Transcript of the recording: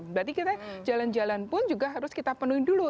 berarti kita jalan jalan pun juga harus kita penuhi dulu